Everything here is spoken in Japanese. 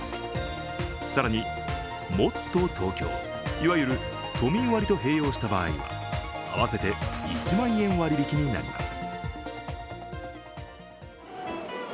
更に、もっとＴｏｋｙｏ、いわゆる、都民割と併用した場合合わせて１万円割引になります。